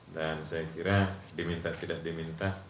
dan saya kira diminta tidak diminta